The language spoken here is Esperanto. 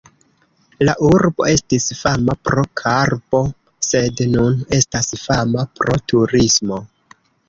La urbo estis fama pro karbo, sed nun estas fama pro turismo.